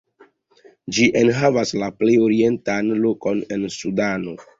Ĝi enhavas la plej orientan lokon en Sudano.